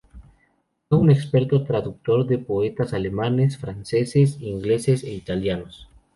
Fue un experto traductor de poetas alemanes, franceses, ingleses e italianos.